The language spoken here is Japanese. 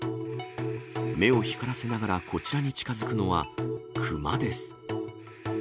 目を光らせながらこちらに近づくのは熊です。